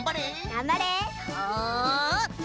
がんばれ。